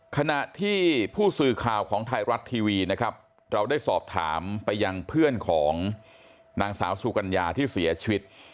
ขณะที่ผู้สื่อข่าวของไทยรัฐทีวีนะครับเราได้สอบถามไปยังเพื่อนของนางสาวสุกัญญาที่เสียชีวิต